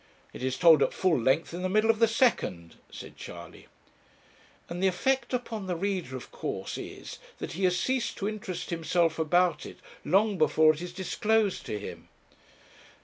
'It is told at full length in the middle of the second,' said Charley. 'And the effect upon the reader of course is, that he has ceased to interest himself about it, long before it is disclosed to him!